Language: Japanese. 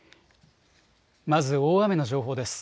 まず大雨の情報です。